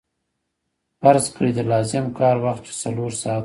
فرض کړئ د لازم کار وخت چې څلور ساعته وو